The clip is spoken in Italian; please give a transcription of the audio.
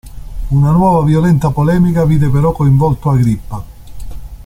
Una nuova violenta polemica vide però coinvolto Agrippa.